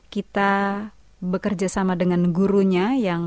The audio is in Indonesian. kita bekerja sama dengan gurunya